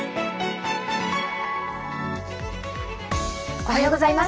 おはようございます。